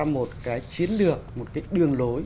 một cái chiến lược một cái đường lối